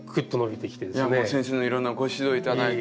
いやもう先生のいろんなご指導頂いて。